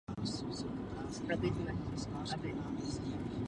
Obec má také dva domy smutku.